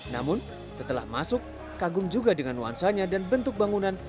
namun setelah masuk kagum juga dengan nuansanya dan bentuk bangunan